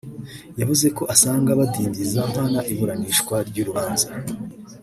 yavuze ko asanga badindiza nkana iburanishwa ry’urubanza